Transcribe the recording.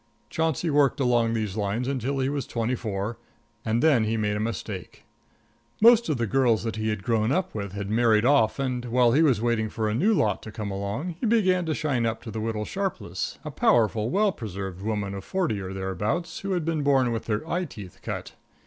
Chauncey worked along these lines until he was twenty four, and then he made a mistake. Most of the girls that he had grown up with had married off, and while he was waiting for a new lot to come along, he began to shine up to the widow Sharpless, a powerful, well preserved woman of forty or thereabouts, who had been born with her eye teeth cut.